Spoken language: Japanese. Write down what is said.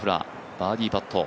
バーディーパット。